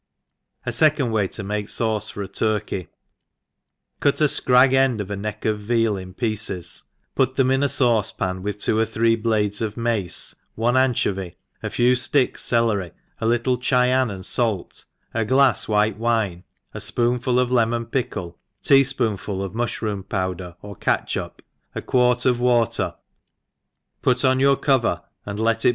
Afecondway to make SAVCzJor a Turkey. CUT a fcrag end of a neck of veal in pieces, put them in a faucepan, with two or three blades ] ii ITHE EXPERlENCEli l>lade$ of mace, one anchovy, a few fttcks or celery, a little Cfayan and fak, a glaft of whi^ wine, a fpoonful of lef!aon pickle, a lea fpoonfol of mulbroofn powder or catchup, a quart of tvater, put On your cover, and let it.